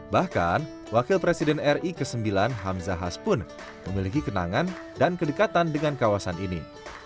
bahkan wakil presiden ri ke sembilan hamzahas pun memiliki kenangan dan kedekatan dengan kawasan ini